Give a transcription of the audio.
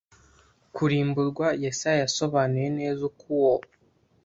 kurimburwa Yesaya Yasobanuye neza uko uwo